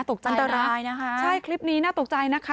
อันตรายนะคะใช่คลิปนี้น่าตกใจนะคะ